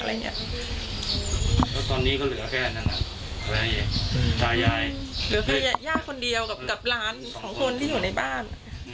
หรือแค่ย่ายากคนเดียวกับหลานคนนี่อยู่ในบ้าน